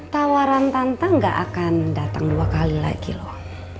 tawaran tantang gak akan datang dua kali lagi loh